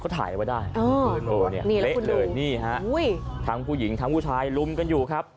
เขาถ่ายไว้ได้อ๋อนี่แล้วคุณดูนี่ฮะทั้งผู้หญิงทั้งผู้ชายลุมกันอยู่ครับ